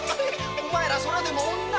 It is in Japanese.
お前らそれでも女？